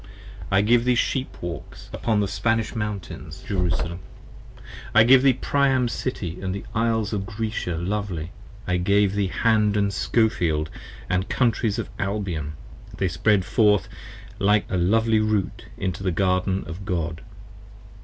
I gave thee Sheep walks upon the Spanish Mountains, Jerusalem, 69 I gave thee Priam's City and the Isles of Grecia lovely: I gave thee Hand & Scofield & the Counties of Albion: 15 They spread forth like a lovely root into the Garden of God.